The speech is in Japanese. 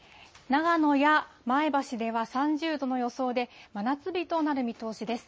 長野や前橋では３０度の予想で、真夏日となる見通しです。